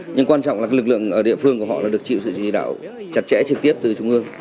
nhưng quan trọng là lực lượng ở địa phương của họ là được chịu sự chỉ đạo chặt chẽ trực tiếp từ trung ương